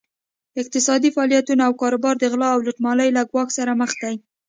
اقتصادي فعالیتونه او کاروبار د غلا او لوټمارۍ له ګواښ سره مخ دي.